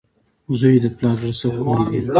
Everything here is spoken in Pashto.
• زوی د پلار د زړۀ سکون وي.